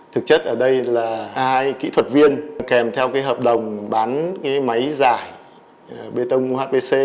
thực chất ở đây là hai kỹ thuật viên kèm theo cái hợp đồng bán máy giải bê tông hpc